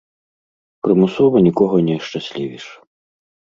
Прымусова нікога не ашчаслівіш.